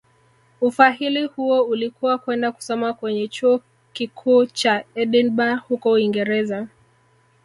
Ufahili huo ulikuwa kwenda kusoma kwenye Chuo Kikuu cha Edinburgh huko Uingereza